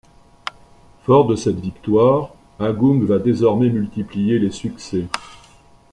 Fort de cette victoire, Agung va désormais multiplier les succès.